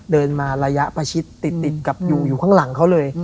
เดินมาระยะประชิดติดกับอยู่ข้างหลังเขาเลย